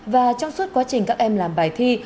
và trong suốt quá trình các em làm bài thi